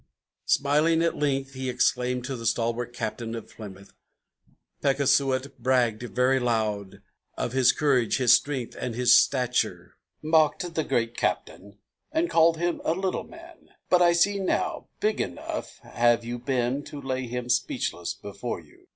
Smiling at length he exclaimed to the stalwart Captain of Plymouth: "Pecksuot bragged very loud, of his courage, his strength, and his stature, Mocked the great Captain, and called him a little man; but I see now Big enough have you been to lay him speechless before you!"